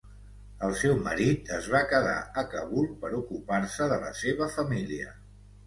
El seu marit es va quedar a Kabul per ocupar-se de la seva família.